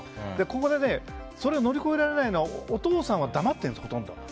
ここでそれを乗り越えられないのはお父さんは黙っているんですほとんど。